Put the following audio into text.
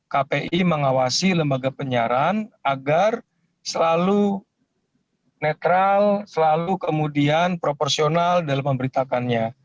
kpi mengawasi lembaga penyiaran agar selalu netral selalu kemudian proporsional dalam memberitakannya